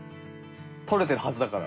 撮れてるはずだから。